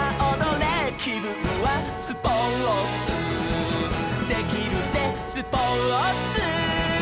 「きぶんはスポーツできるぜスポーツ」